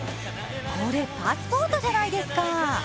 これ、パスポートじゃないですか！